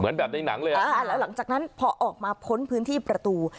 แบบในหนังเลยอ่ะอ่าแล้วหลังจากนั้นพอออกมาพ้นพื้นที่ประตู